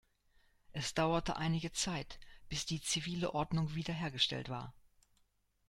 Es dauerte einige Zeit, bis die zivile Ordnung wiederhergestellt war.